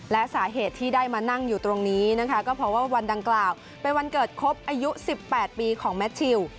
และสาเหตุที่ได้มานั่งอยู่ตรงนี้นะคะก็เพราะว่าวันดังกล่าวเป็นวันเกิดครบอายุ๑๘ปีของแมททิว